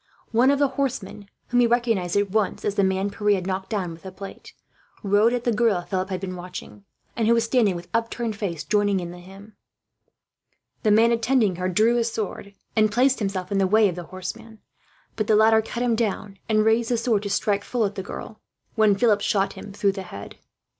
One of the horsemen, whom he recognized at once as the man Pierre had knocked down with the plate, rode at the girl Philip had been watching; and who was standing, with upturned face, joining in the hymn. The man attending her drew his sword, and placed himself in the way of the horseman; but the latter cut him down, and raised the sword to strike full at the girl, when Philip shot him through the head.